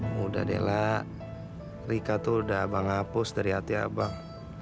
mudah deh ella rika tuh udah abang hapus dari hati abang